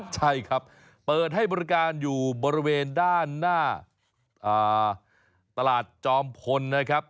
ใช่ครับเปิดให้บริการอยู่บริเวณด้านหน้าตลาดจอมพลนะครับ